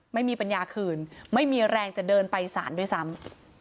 ไม่มีปัญญาคืนไม่มีแรงจะเดินไปสารด้วยซ้ำ